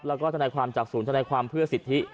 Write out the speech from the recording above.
แล้วก็ทนายความจากศูนย์ธนายความเพื่อสิทธิ